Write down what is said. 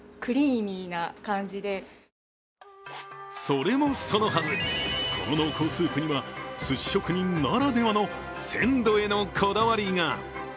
それもそのはず、この濃厚スープにはすし職人ならではの鮮度へのこだわりが。